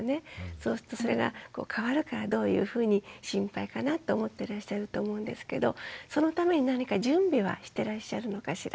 そうするとそれが変わるからどういうふうに心配かなと思ってらっしゃると思うんですけどそのために何か準備はしてらっしゃるのかしら？